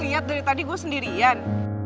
lo gak liat dari tadi gue sendirian